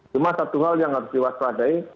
cuma satu hal yang harus diwaspadai